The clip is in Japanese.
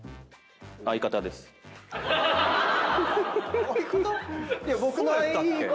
相方⁉